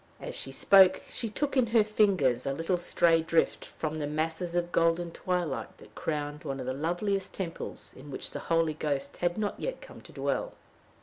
As she spoke, she took in her fingers a little stray drift from the masses of golden twilight that crowned one of the loveliest temples in which the Holy Ghost had not yet come to dwell.